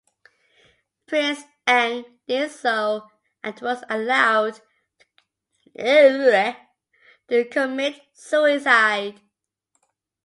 Prince Ang did so and was allowed to commit suicide.